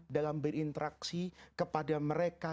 dalam berinteraksi kepada mereka